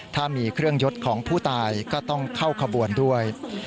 ถ้ามีเครื่องยดของผู้ตายก็ต้องเข้าขบวนด้วย